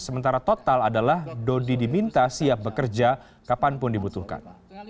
sementara total adalah dodi diminta siap bekerja kapanpun dibutuhkan